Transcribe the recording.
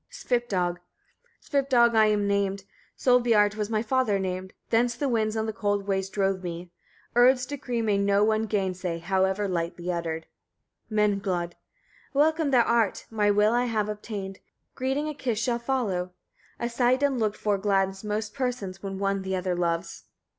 Svipdag. 48. Svipdag I am named, Solbiart was my father named; thence the winds on the cold ways drove me. Urd's decree may no one gainsay, however lightly uttered. Menglod. 49. Welcome thou art: my will I have obtained; greeting a kiss shall follow. A sight unlooked for gladdens most persons, when one the other loves.